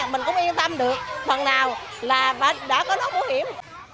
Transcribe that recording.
mình cũng yên tâm được phần nào là đã có thuốc bảo hiểm